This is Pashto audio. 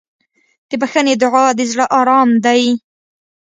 د بښنې دعا د زړه ارام دی.